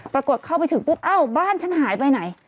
เข้าไปถึงปุ๊บเอ้าบ้านฉันหายไปไหน